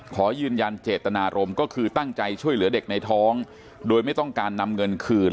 ขอยืนยันเจตนารมณ์ก็คือตั้งใจช่วยเหลือเด็กในท้องโดยไม่ต้องการนำเงินคืน